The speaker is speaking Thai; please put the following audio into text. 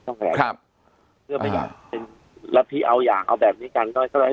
ต้องขยายครับเพื่อไม่อยากเป็นรับที่เอาอย่างเอาแบบนี้กันก็จะได้ให้